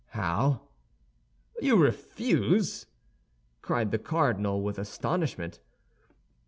"How? You refuse?" cried the cardinal, with astonishment.